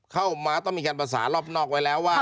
เข้ามาต้องมีการประสานรอบนอกไว้แล้วว่า